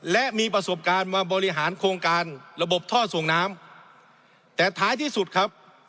และมีประสบการณ์มาบริหารโครงการระบบท่อส่งน้ำแต่ท้ายที่สุดครับ